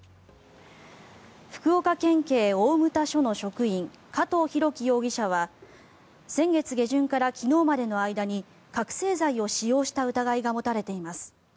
福岡県警大牟田署の職員加藤大喜容疑者は先月下旬から昨日までの間に覚醒剤を使用した疑いが持たれています。